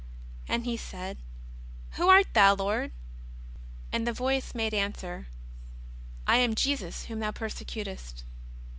" And he said :" Who art Thou, Lord ?" And the Voice made answer :" I am Jesus whom thou persecutest."